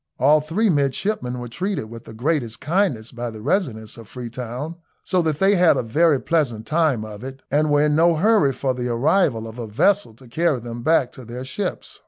All three midshipmen were treated with the greatest kindness by the residents at Freetown, so that they had a very pleasant time of it, and were in no hurry for the arrival of a vessel to carry them back to their ships.